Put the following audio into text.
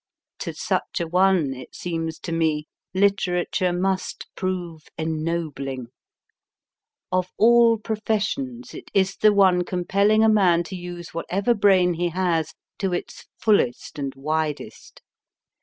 To such a one, it seems to me, literature must prove ennobling. Of all professions it is the one compelling a man to use whatever brain he has to its fullest and widest.